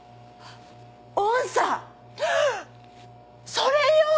それよ！